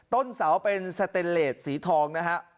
ต้นเสาเป็นสเตนเลสสีทองนะฮะ